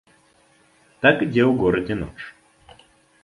Так ідзе ў горадзе ноч.